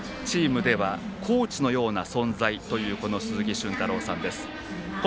チームではコーチのような存在という鈴木駿太郎さんです。